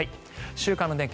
週間天気